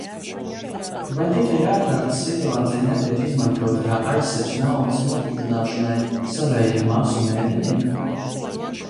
Vai tikai ārkārtas situācija netiek izmantota kā aizsegs naudas nopludināšanai savējiem masu medijiem?